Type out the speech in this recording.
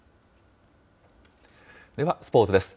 では、スポーツです。